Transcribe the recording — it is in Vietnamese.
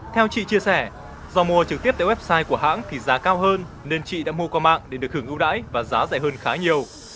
theo chị chia sẻ do mua trực tiếp tại website của hãng thì giá cao hơn nên chị đã mua qua mạng để được hưởng ưu đãi và giá rẻ hơn khá nhiều